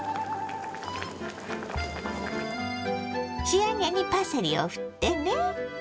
仕上げにパセリをふってね。